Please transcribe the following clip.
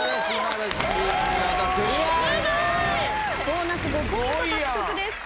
ボーナス５ポイント獲得です。